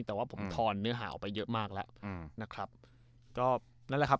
แต่ว่าผมทอนเนื้อหาออกไปเยอะมากแล้วอืมนะครับก็นั่นแหละครับ